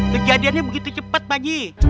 kejadiannya begitu cepat pak ji